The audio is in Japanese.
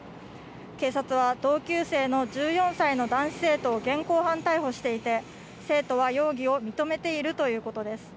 警察は同級生の１４歳の男子生徒を現行犯逮捕していて、生徒は容疑を認めているということです。